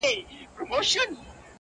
پټیږي که امي دی که مُلا په کرنتین کي!!